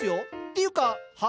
ていうかは？